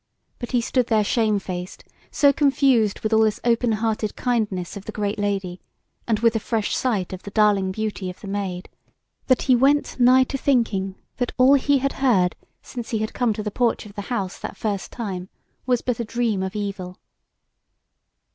But he stood there shamefaced, so confused with all this openhearted kindness of the great Lady and with the fresh sight of the darling beauty of the Maid, that he went nigh to thinking that all he had heard since he had come to the porch of the house that first time was but a dream of evil.